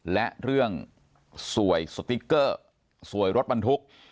และเรื่องสวยสติ๊กเกอร์สวยรถบรรทุก